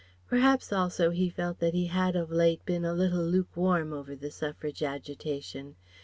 Perhaps, also, he felt that he had of late been a little lukewarm over the Suffrage agitation.